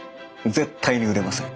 絶対に売れません。